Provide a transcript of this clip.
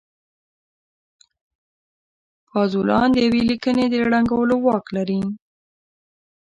پازوالان د يوې ليکنې د ړنګولو واک لري.